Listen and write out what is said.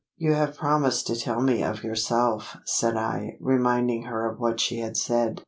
"You have promised to tell me of yourself?" said I, reminding her of what she had said.